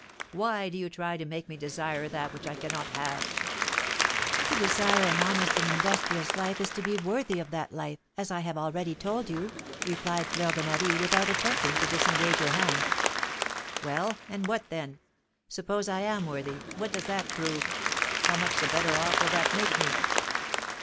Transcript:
Why do you try to make me desire that which I cannot have." "To desire an honest and industrious life is to be worthy of that life, as I have already told you," replied Fleur de Marie, without attempting to disengage her hand. "Well, and what then? Suppose I am worthy, what does that prove? How much the better off will that make me?"